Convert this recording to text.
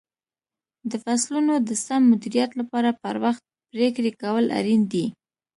د فصلونو د سم مدیریت لپاره پر وخت پرېکړې کول اړین دي.